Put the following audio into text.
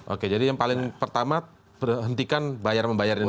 oke jadi yang paling pertama berhentikan bayar membayarnya dulu